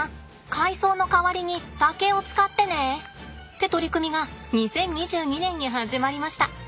海藻の代わりに竹を使ってねって取り組みが２０２２年に始まりました。